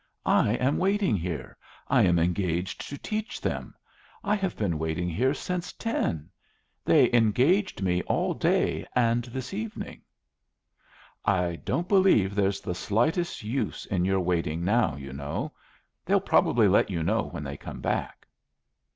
I am waiting here. I am engaged to teach them. I have been waiting here since ten. They engaged me all day and this evening. "I don't believe there's the slightest use in your waiting now, you know. They'll probably let you know when they come back."